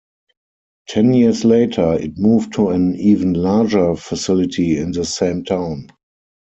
Ten years later, it moved to an even larger facility in the same town.